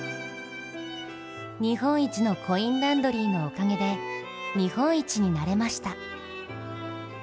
日本一のコインランドリーのおかげで日本一になれました。